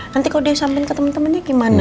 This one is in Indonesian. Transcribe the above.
nanti kalau dia sampein ke temen temennya gimana